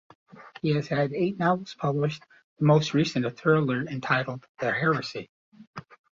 He has had eight novels published, the most recent a thriller entitled "The Heresy".